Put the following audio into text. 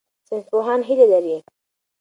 ساینسپوهان هیله لري.